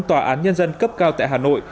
tòa án nhân dân cấp cao tại hà nội